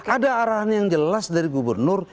ada arahan yang jelas dari gubernur